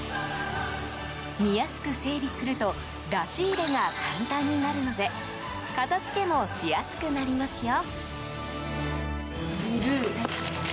見やすく整理すると出し入れが簡単になるので片付けもしやすくなりますよ。